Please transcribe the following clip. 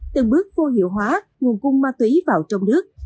từng bước vô hiệu hóa nguồn cung ma túy vào trong nước